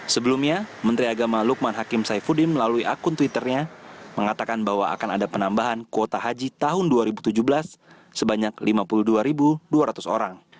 sebelumnya menteri agama lukman hakim saifuddin melalui akun twitternya mengatakan bahwa akan ada penambahan kuota haji tahun dua ribu tujuh belas sebanyak lima puluh dua dua ratus orang